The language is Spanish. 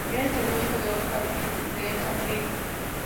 Era el segundo hijo de Oskar Thiel y de Elsa Prinz.